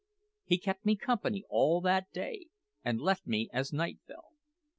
He kept me company all that day, and left me as night fell.